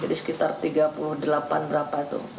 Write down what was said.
jadi sekitar rp tiga puluh delapan tiga puluh delapan